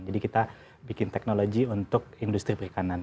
kita bikin teknologi untuk industri perikanan